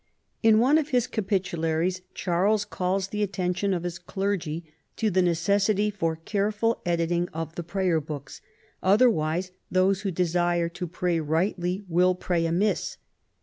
In one of his Capitularies Charles calls the attention of his clergy to the necessity' for careful editing of the Prayer books ; otherwise those who desire to pray rightly will pray amiss.